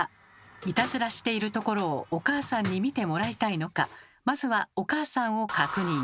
いたずらしているところをお母さんに見てもらいたいのかまずはお母さんを確認。